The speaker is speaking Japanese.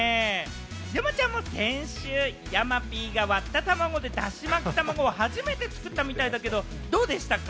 山ちゃんも先週、山Ｐが割った卵でだし巻き卵を初めて作ったみたいだけれども、どうでしたか？